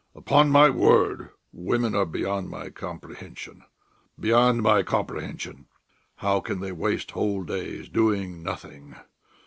Upon my word, women are beyond my comprehension! Beyond my comprehension! How can they waste whole days doing nothing?